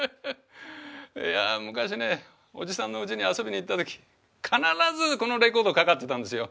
いや昔ねおじさんのうちに遊びに行った時必ずこのレコードかかってたんですよ。